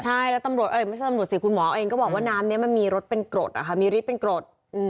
ใช่แล้วตำรวจไม่ใช่ตำรวจสิคุณหมอเองก็บอกว่าน้ำนี้มันมีริดเป็นโกรธ